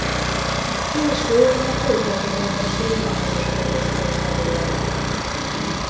Később a tőketerebesi pálos kolostor faluja lett.